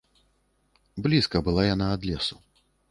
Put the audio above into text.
Блізка была яна ад лесу.